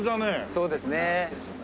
そうですね。